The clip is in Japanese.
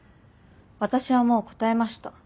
私はもう答えました。